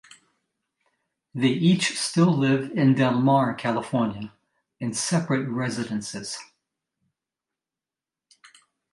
They each still live in Del Mar, California in separate residences.